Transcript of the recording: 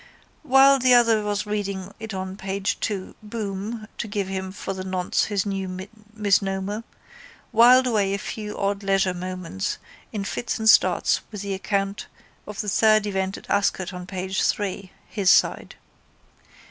While the other was reading it on page two Boom (to give him for the nonce his new misnomer) whiled away a few odd leisure moments in fits and starts with the account of the third event at Ascot on page three, his side.